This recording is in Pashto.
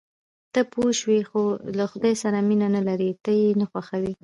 ته پوه شوې، خو له خدای سره مینه نه لرې، ته یې نه خوښوې.